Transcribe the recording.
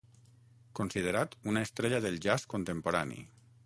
Considerat una estrella del jazz contemporani.